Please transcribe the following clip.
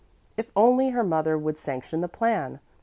If only her mother would sanction the plan!